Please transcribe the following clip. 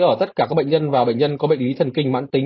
ở tất cả các bệnh nhân và bệnh nhân có bệnh lý thần kinh mãn tính